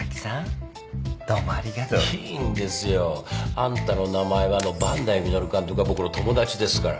『あんたの名前は。』の磐梯実監督は僕の友達ですから。